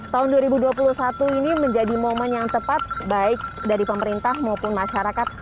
tahun dua ribu dua puluh satu ini menjadi momen yang tepat baik dari pemerintah maupun masyarakat